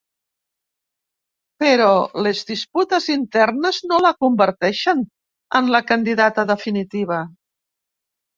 Però les disputes internes no la converteixen en la candidata definitiva.